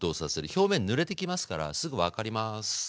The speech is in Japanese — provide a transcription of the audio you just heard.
表面ぬれてきますからすぐ分かります。